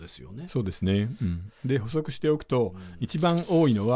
そうですね。